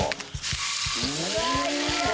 うわいい音！